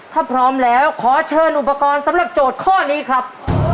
ถ้าพร้อมแล้วขอเชิญอุปกรณ์สำหรับโจทย์ข้อนี้ครับ